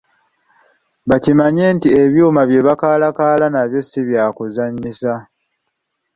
Bakimanye nti ebyuma bye bakaalakaala nabyo si byakuzannyisa